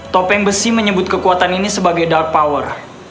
topeng besi menyebut kekuatan ini sebagai dark power